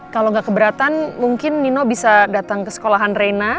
kalau nggak keberatan mungkin nino bisa datang ke sekolahan reina